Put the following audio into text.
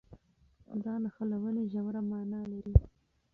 دا نښلونې ژوره مانا لري.